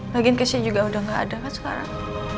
bagian kesnya juga udah gak ada kan sekarang